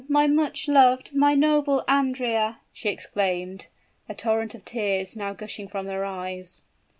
my much loved my noble Andrea!" she exclaimed, a torrent of tears now gushing from her eyes.